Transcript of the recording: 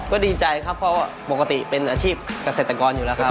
ก็ดีใจครับเพราะว่าปกติเป็นอาชีพเกษตรกรอยู่แล้วครับ